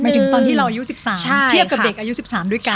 หมายถึงตอนที่เราอยู่๑๓เทียบกับเด็ก๑๓ด้วยกัน